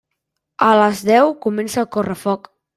A les deu comença el correfoc.